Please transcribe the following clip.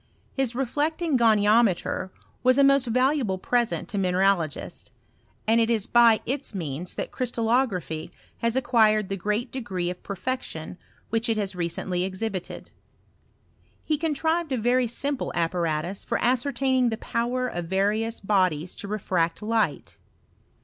His re flecting goniometer was a most valuable present to mineralogists, and it is by its means that crystal lography has acquired the great degree of perfection which it has recently exhibited. He contrived a very simple apparatus for ascertaining the power of various bodies to refract light.